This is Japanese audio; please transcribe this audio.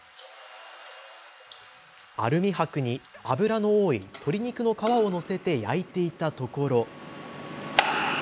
アルミはくに脂の多い鶏肉の皮を乗せて焼いていたところ。